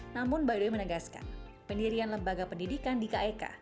namun badai menegaskan pendirian lembaga pendidikan di kek